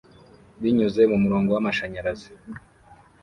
binyuze mumurongo w'amashanyarazi